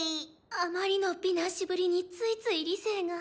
あまりの美男子ぶりについつい理性が。